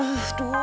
nggak nggak usah